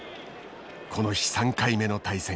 この日３回目の対戦。